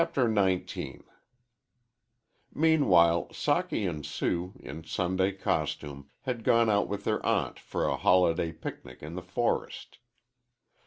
_ XIX MEANWHILE Socky and Sue, in Sunday costume, had gone out with their aunt for a holiday picnic in the forest.